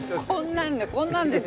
こんなんですよ。